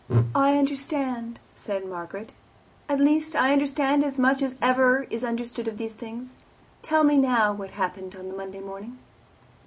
"I understand," said Margaret "at least, I understand as much as ever is understood of these things. Tell me now what happened on the Monday morning."